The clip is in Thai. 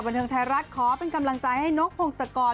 บันเทิงไทยรัฐขอเป็นกำลังใจให้นกพงศกร